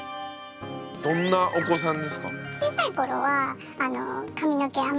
どんなお子さんですか？